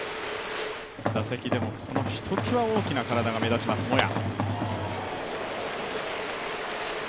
打席でもひときわ大きな体が目立ちます、モヤ。